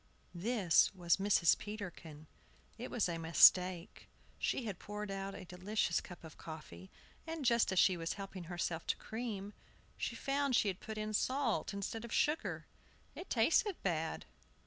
THIS was Mrs. Peterkin. It was a mistake. She had poured out a delicious cup of coffee, and, just as she was helping herself to cream, she found she had put in salt instead of sugar! It tasted bad.